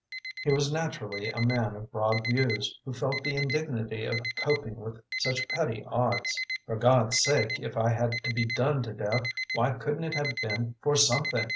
He was naturally a man of broad views, who felt the indignity of coping with such petty odds. "For God's sake, if I had to be done to death, why couldn't it have been for something?"